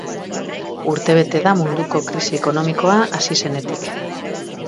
Urtebete da munduko krisi ekonomikoa hasi zenetik.